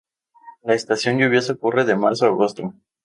La estación lluviosa ocurre de marzo a agosto.